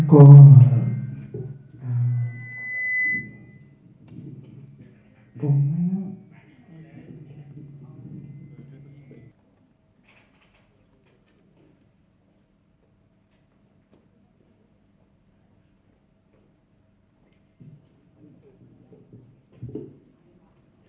ก็ดูแลครับ